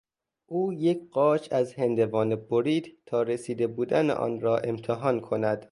او یک قاچ از هندوانه برید تا رسیده بودن آن را امتحان کند.